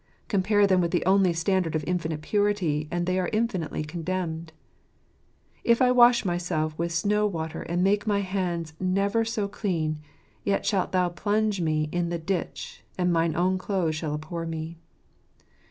Compare them with the only standard of infinite purity j and they are infinitely condemned. If I wash myself with snow water, and make my hands never so clean, yet shalt Thou plunge me in the ditch, and mine own clothes shall abhor me."